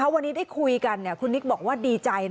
วันนี้ได้คุยกันคุณนิกบอกว่าดีใจ